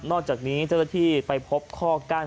นอกจากนี้เจ้าที่ที่ไปพบข้อก้าน